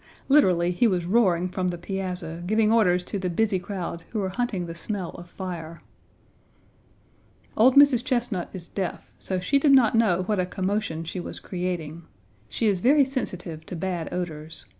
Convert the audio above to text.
Literally, be was roaring from the piazza, giving Page 67 orders to the busy crowd who were hunting the smell of fire. Old Mrs. Chesnut is deaf; so she did not know what a commotion she was creating. She is very sensitive to bad odors.